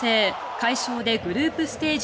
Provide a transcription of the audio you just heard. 快勝でグループステージ